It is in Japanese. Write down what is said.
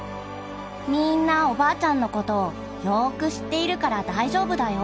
「『みーんなおばあちゃんのことをよーくしっているからだいじょうぶだよ』。